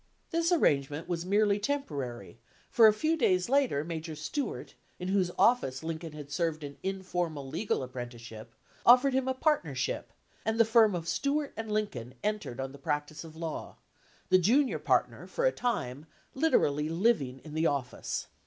This arrangement was merely temporary, for a few days later Major Stuart, in whose office Lincoln had served an informal legal appren ticeship, offered him a partnership, and the firm of Stuart & Lincoln entered on the practice of law, the junior partner, for a time, literally living in the office.